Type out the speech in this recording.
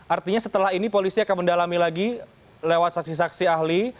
artinya setelah ini polisi akan mendalami lagi lewat saksi saksi ahli